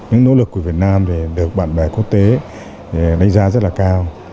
những nỗ lực của việt nam được bạn bè quốc tế đánh giá rất là cao